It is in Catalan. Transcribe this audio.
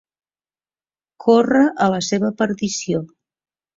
Córrer a la seva perdició.